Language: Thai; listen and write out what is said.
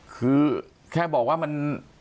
คือแค่บอกว่ามัน